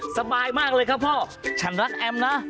สบายมากเลยครับพ่อฉันรักแอมนะ